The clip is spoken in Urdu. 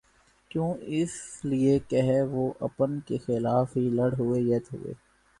کیوں اس لیے کہہ وہ اپن کیخلاف ہی لڑ ہوئے ید ہوئے